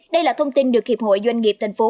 đây là thông tin được hiệp hội doanh nghiệp thành phố